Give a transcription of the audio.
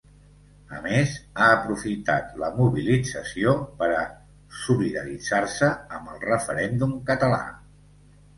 A més, ha aprofitat la mobilització per a solidaritzar-se amb el referèndum català.